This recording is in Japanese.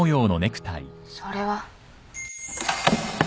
それは。